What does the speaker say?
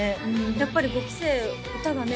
やっぱり５期生歌がね